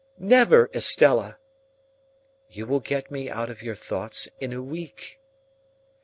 "Never, Estella!" "You will get me out of your thoughts in a week."